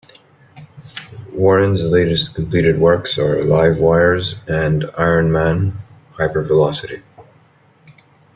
Warren's latest completed works are "Livewires" and "Iron Man: Hypervelocity".